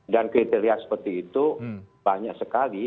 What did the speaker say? dan kriteria seperti itu banyak sekali